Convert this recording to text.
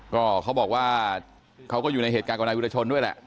ก็เขาบอกว่าเขาก็อยู่ในเหตุการณ์กับนายวิรชนด้วยแหละ